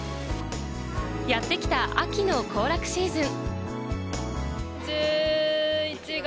やってきた秋の行楽シーズン。